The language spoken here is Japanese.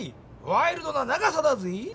ワイルドな長さだぜぇ！